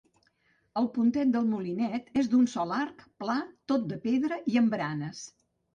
El Pontet del Molinet és d'un sol arc, pla, tot de pedra i amb baranes.